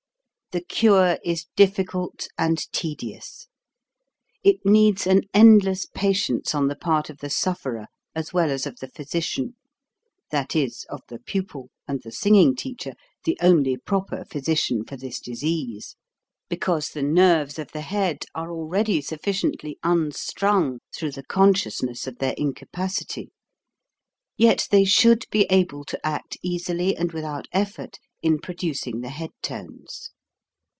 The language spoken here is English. The cure is difficult and tedious. It needs an endless patience on the part of the suf ferer as well as of the physician that is, of the pupil and the singing teacher (the only proper physician for this disease) because the nerves of the head are already sufficiently unstrung through the consciousness of their incapacity; yet they should be able to act 188 HOW TO SING easily and without effort in producing the head tones.